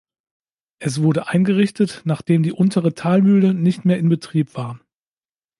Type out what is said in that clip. Es wurde eingerichtet, nachdem die Untere Talmühle nicht mehr in Betrieb war.